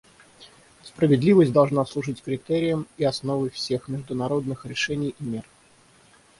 Справедливость должна служить критерием и основой всех международных решений и мер.